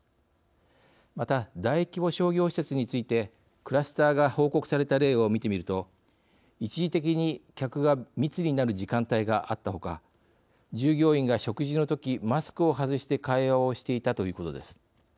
また、大規模商業施設についてクラスターが報告された例を見てみると一時的に客が密になる時間帯があったほか従業員が食事のときマスクを外して会話をしていたということです。